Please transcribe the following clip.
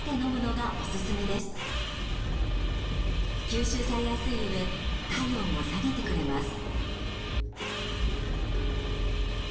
吸収されやすいうえ体温も下げてくれます。